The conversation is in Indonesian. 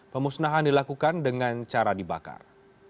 pemusnahan dilakukan dengan cara dibakar